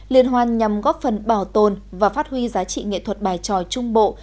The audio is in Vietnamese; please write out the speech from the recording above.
liên hoan nhằm góp phần bảo tồn và phát huy giá trị nghệ thuật bài tròi trung bộ